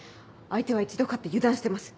相手は１度勝って油断してます